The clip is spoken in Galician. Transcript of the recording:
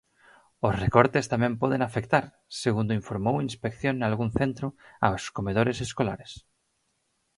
Os recortes tamén poden afectar, segundo informou Inspección nalgún centro, aos comedores escolares.